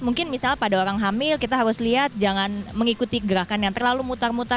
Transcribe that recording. mungkin misalnya pada orang hamil kita harus lihat jangan mengikuti gerakan yang terlalu mutar mutar